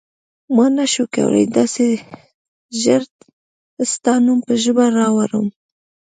ما نه شو کولای داسې ژر ستا نوم په ژبه راوړم.